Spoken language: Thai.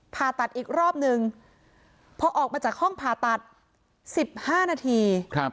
ผ่าตัดอีกรอบนึงพอออกมาจากห้องผ่าตัด๑๕นาที